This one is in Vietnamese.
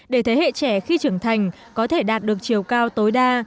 để thế hệ trẻ khi trưởng thành có thể đạt được chiều cao tối đa